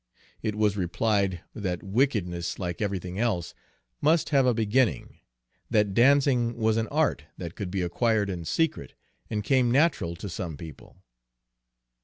It was replied that wickedness, like everything else, must have a beginning; that dancing was an art that could be acquired in secret, and came natural to some people.